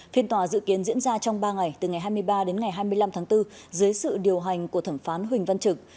phiên tòa dự kiến diễn ra trong ba ngày từ ngày hai mươi ba đến ngày hai mươi năm tháng bốn dưới sự điều hành của thẩm phán huỳnh văn trực